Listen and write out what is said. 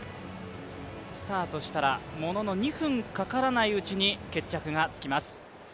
スタートしたらものの２分かからないうちに決着がつきます。